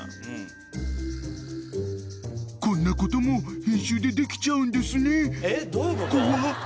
［こんなことも編集でできちゃうんですね怖っ！］